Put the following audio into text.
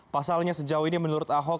pasalnya sejauh ini menurut ahok